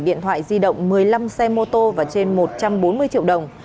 điện thoại di động một mươi năm xe mô tô và trên một trăm bốn mươi triệu đồng